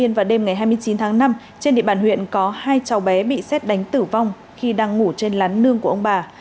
vào đêm ngày hai mươi chín tháng năm trên địa bàn huyện có hai cháu bé bị xét đánh tử vong khi đang ngủ trên lán nương của ông bà